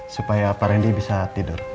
supaya pak randy bisa tidur